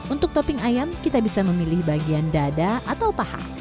untuk topping ayam kita bisa memilih bagian dada atau paha